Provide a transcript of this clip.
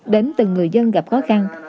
đến từng người dân gặp khó khăn